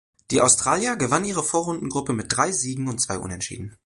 Die Australier gewann ihre Vorrundengruppe mit drei Siegen und zwei Unentschieden.